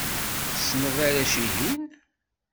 Tessneḍ arrac-ihin?